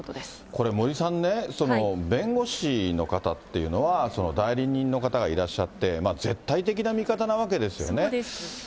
これ、森さんね、弁護士の方っていうのは、代理人の方がいらっしゃって、絶対的な味方なわけですよね。